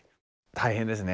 大変ですね。